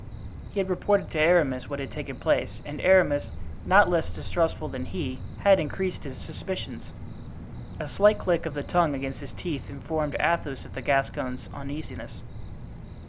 He had reported to Aramis what had taken place, and Aramis, not less distrustful than he, had increased his suspicions. A slight click of the tongue against his teeth informed Athos of the Gascon's uneasiness.